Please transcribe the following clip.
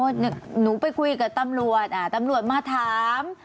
หนูไปคุยกับตำรวจตำรวจมาถาม